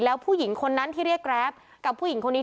แล้วผู้หญิงคนนั้นที่เรียกแกรฟกับผู้หญิงคนนี้